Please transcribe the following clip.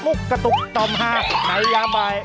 มุกตุกต่อม๕ในยาบาย